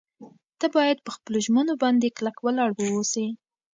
ته باید په خپلو ژمنو باندې کلک ولاړ واوسې.